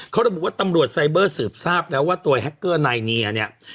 เขาระบุว่าตำรวจไซเบอร์สืบทราบแล้วว่าตัวแฮคเกอร์นายเนียเนี่ย